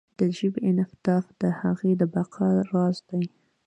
د ژبې انعطاف د هغې د بقا راز دی.